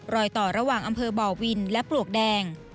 รอยต่อระหว่างอำเภอบ่อวินและปลวกแดง